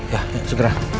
ya ya segera